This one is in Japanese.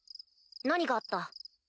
何があった？